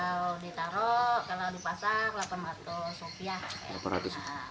kalau ditaruh kalau dipasar delapan ratus rupiah